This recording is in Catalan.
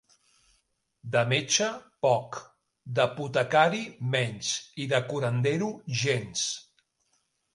De metge, poc; d'apotecari, menys, i de curandero, gens.